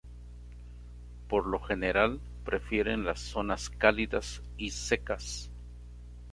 Por lo general, prefieren las zonas cálidas y secas.